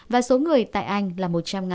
và số người tại anh là một trăm linh